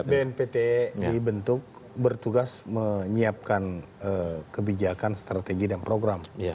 jadi bnpt dibentuk bertugas menyiapkan kebijakan strategi dan program